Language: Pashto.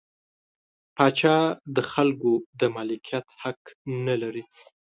پاچا د خلکو د مالکیت حق نلري.